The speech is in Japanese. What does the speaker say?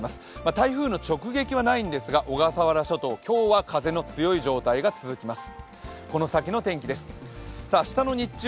台風の直撃はないんですが小笠原諸島、今日は風の強い状態が続きます。